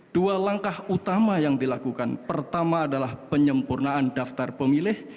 dua langkah utama yang dilakukan pertama adalah penyempurnaan daftar pemilih